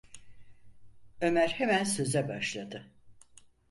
Ömer hemen söze başladı: